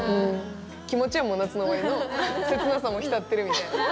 気持ちはもう夏の終わりの切なさを浸ってるみたいな。